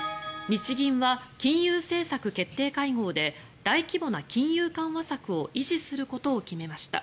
日銀は金融政策決定会合で大規模な金融緩和策を維持することを決めました。